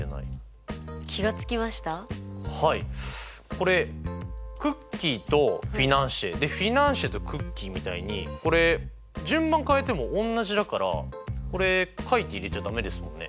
これクッキーとフィナンシェフィナンシェとクッキーみたいにこれ順番変えてもおんなじだからこれ書いて入れちゃ駄目ですもんね。